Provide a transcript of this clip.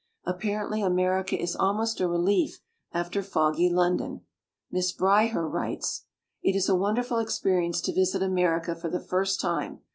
Apparently America is almost a relief after foggy London. Miss Bryher writes : It i8 a wonderful experience to Yisit America for the first time.